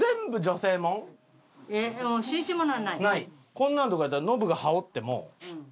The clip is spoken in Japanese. こんなんとかやったらノブが羽織っても。